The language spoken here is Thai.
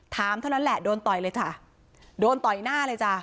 เท่านั้นแหละโดนต่อยเลยจ้ะโดนต่อยหน้าเลยจ้ะ